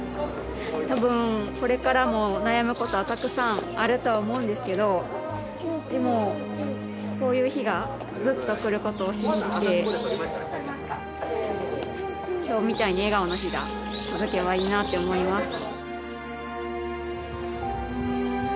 多分これからも悩むことはたくさんあるとは思うんですけどでもこういう日がずっと来ることを信じて今日みたいに笑顔の日が続けばいいなって思います。